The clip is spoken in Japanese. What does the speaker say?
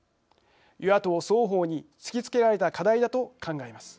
与野党、双方に突きつけられた課題だと考えます。